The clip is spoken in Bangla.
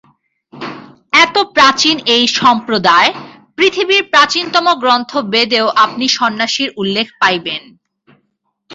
এত প্রাচীন এই সম্প্রদায়! পৃথিবীর প্রাচীনতম গ্রন্থ বেদেও আপনি সন্ন্যাসীর উল্লেখ পাইবেন।